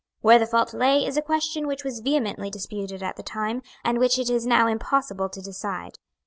Where the fault lay is a question which was vehemently disputed at the time, and which it is now impossible to decide.